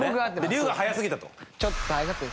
龍我が早すぎたと。